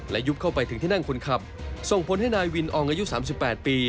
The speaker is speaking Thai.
ยุบเข้าไปถึงที่นั่งคนขับส่งผลให้นายวินอองอายุ๓๘ปี